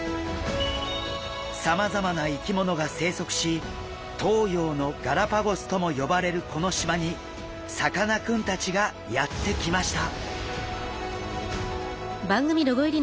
さまざまな生き物が生息し東洋のガラパゴスとも呼ばれるこの島にさかなクンたちがやって来ました。